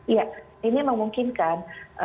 iya ini memungkinkan